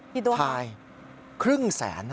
ใช่ครึ่งแสน